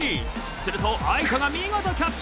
すると愛斗が見事キャッチ。